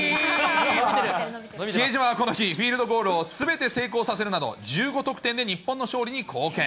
比江島はこの日、フィールドゴールをすべて成功させるなど、１５得点で日本の勝利に貢献。